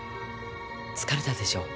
疲れたでしょう